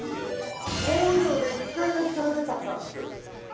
工場で機械の力でたくさん作る。